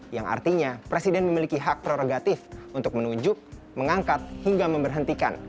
yang artinya presiden memiliki hak prerogatif untuk menunjuk mengangkat hingga memberhentikan